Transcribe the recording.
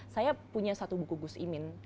saya punya satu buku gus imin